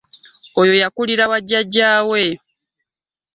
Oyo yakulira wa jajja we.